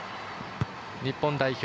日本代表